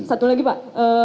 satu lagi pak